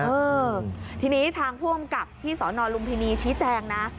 เออทีนี้ทางผู้อำกับที่สนลุมพินีชี้แจงนะ